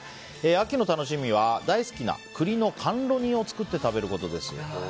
秋の楽しみは大好きな栗の甘露煮を作って食べることです。